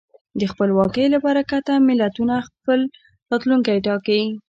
د خپلواکۍ له برکته ملتونه خپل راتلونکی ټاکي.